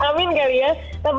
tapi yang lebih berharga